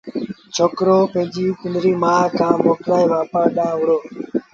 ڇوڪرو پنڊريٚ مآ کآݩ موڪلآئي وآپآر ڏآݩهݩ وهُڙو